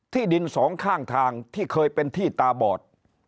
ดินสองข้างทางที่เคยเป็นที่ตาบอด